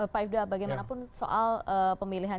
pak ifdal bagaimanapun soal pemilihan